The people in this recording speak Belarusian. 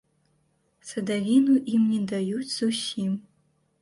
Садавіну ім не даюць зусім.